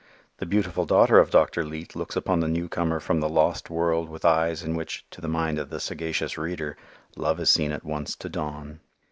The beautiful daughter of Dr. Leete looks upon the newcomer from the lost world with eyes in which, to the mind of the sagacious reader, love is seen at once to dawn.